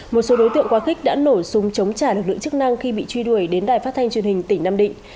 một số đối tượng quá khích đã nổ súng chống trả lực lượng chức năng khi bị truy đuổi đến đài phát thanh truyền hình tỉnh nam định